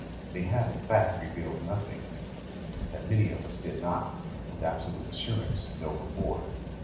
They have, in fact, revealed nothing that many of us did not, with absolute assurance, know before.